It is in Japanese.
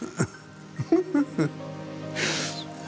フフフフッ！